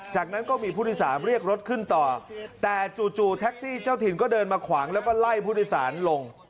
จากนั้นก็มีผู้โดยสารเรียกรถขึ้นต่อแต่จู่แท็กซี่เจ้าถิ่นก็เดินมาขวางแล้วก็ไล่ผู้โดยสารลง